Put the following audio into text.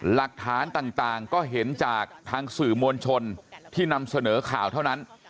หลักฐานต่างก็เห็นจากทางสื่อมวลชนที่นำเสนอข่าวเท่านั้น